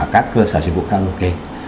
các cơ sở dịch vụ karaoke